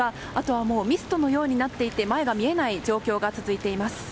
ミストのようになっていて前が見えない状況が続いています。